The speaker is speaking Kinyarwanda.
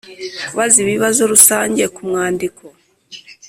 Kubaza ibibazo rusange ku mwandiko